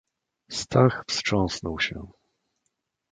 "Stach wstrząsnął się."